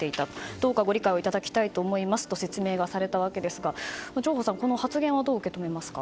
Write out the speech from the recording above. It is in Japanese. どうかご理解いただきたいと思いますと説明がされたわけですが上法さん、この発言はどう受け止めますか。